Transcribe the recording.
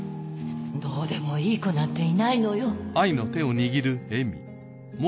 どうでもいい子なんていないのよ